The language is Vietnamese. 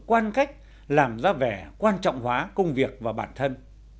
quan cách làm ra vẻ quan trọng hóa công việc và bản thân